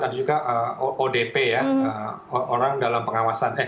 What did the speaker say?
ada juga odp ya orang dalam pengawasan